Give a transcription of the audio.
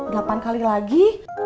delapan kali lagi